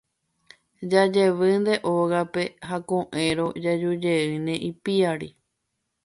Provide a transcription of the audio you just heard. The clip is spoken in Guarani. Jajevýnte ógape ha ko'ẽrõ jajujeýne ipiári.